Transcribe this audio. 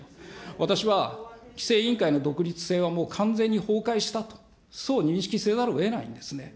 私は、規制委員会の独立性はもう完全に崩壊したと、そう認識せざるをえないんですね。